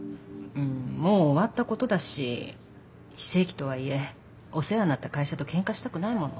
もう終わったことだし非正規とはいえお世話になった会社とけんかしたくないもの。